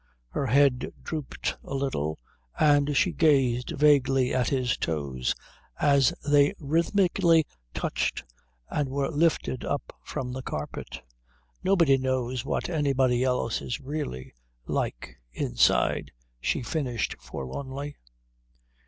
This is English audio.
Her head drooped a little, and she gazed vaguely at his toes as they rhythmically touched and were lifted up from the carpet. "Nobody knows what anybody else is really like inside," she finished forlornly.